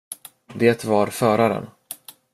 Det var föraren!